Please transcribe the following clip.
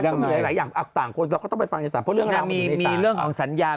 แต่หลายอย่างอักษ์ต่างคนต้องไปฟังในสารเพราะเรื่องราวแบบนี้สาร